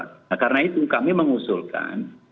nah karena itu kami mengusulkan